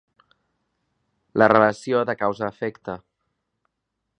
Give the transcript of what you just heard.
La relació de causa a efecte.